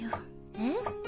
えっ？